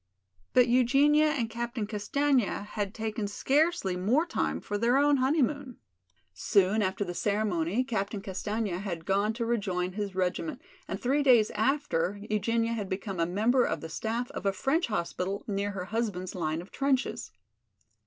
But Eugenia and Captain Castaigne had taken scarcely more time for their own honeymoon. Soon after the ceremony Captain Castaigne had gone to rejoin his regiment and three days after Eugenia had become a member of the staff of a French hospital near her husband's line of trenches.